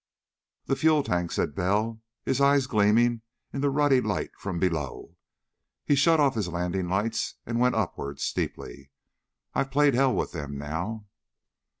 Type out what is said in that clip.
"Their fuel tank!" said Bell, his eyes gleaming in the ruddy light from below. He shut off his landing lights and went upward, steeply. "I've played hell with them now!"